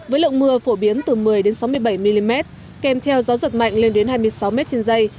với lượng mưa phổ biến từ một mươi sáu mươi bảy mm kèm theo gió giật mạnh lên đến hai mươi sáu m trên dây